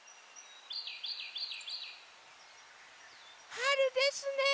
はるですね。